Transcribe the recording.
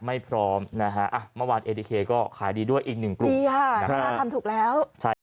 ไม่พร้อมนะฮะเมื่อวานเอกก็ขายดีด้วยอีก๑กลุ่มทำถูกแล้ว